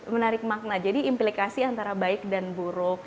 menarik makna jadi implikasi antara baik dan buruk